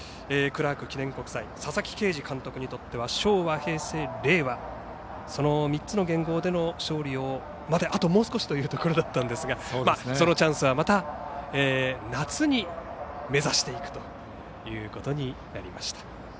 クラーク記念国際佐々木啓司監督にとっては昭和、平成、令和その３つの元号での勝利がもう少しというところでしたがそのチャンスはまた夏に目指していくということになりました。